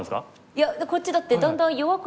いやこっちだってだんだん弱くなってますよね。